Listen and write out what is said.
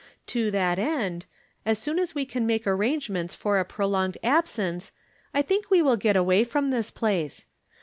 To that end, as soon as we can make arrangements for a prolonged absencer, I think we wlLI get away from this place.